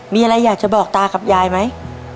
มีอะไรอยากจะบอกตากับยายไหม